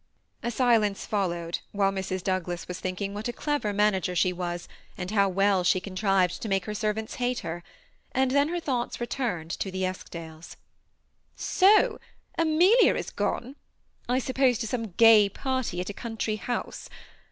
A silence followed while Mrs. Douglas was thinking what a clever manager she was, and how well she con trived to make her servants hate her ; and then her thoughts recurred to the Eskdales. THE SEMI ATTACHED COUPLE. 66 So Amelia is gone ; I suppose to some gay party at a country bouse.